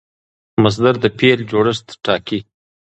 مصدر د فعل جوړښت ټاکي.